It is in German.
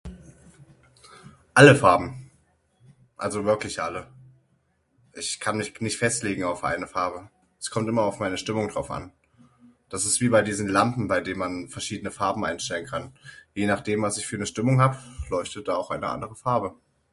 Alle Farben, also wirklich alle. Ich kann mich nicht festlegen auf eine Farbe, es kommt immer auf meine Stimmung drauf an. Das ist wie bei diesen Lampen bei dem man verschiedene Farben einstellen kann. Je nachdem was ich für ne Stimmung hab, leuchtet da auch eine andere Farbe.